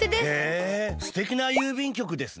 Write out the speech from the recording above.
へえすてきな郵便局ですね。